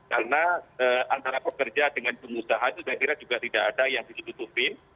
karena antara pekerja dengan pengusaha itu saya kira juga tidak ada yang ditutupin